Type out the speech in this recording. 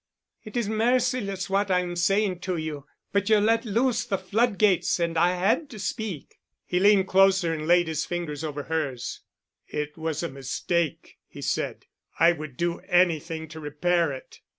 "It is merciless—what I am saying to you—but you let loose the floodgates and I had to speak." He leaned closer and laid his fingers over hers. "It was a mistake——" he said. "I would do anything to repair it."